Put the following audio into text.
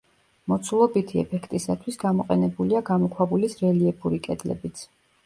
მოცულობითი ეფექტისათვის გამოყენებულია გამოქვაბულის რელიეფური კედლებიც.